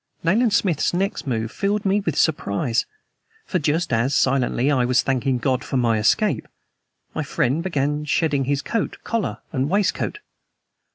Nayland Smith's next move filled me with surprise. For just as, silently, I was thanking God for my escape, my friend began shedding his coat, collar, and waistcoat.